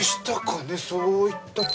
そういった事。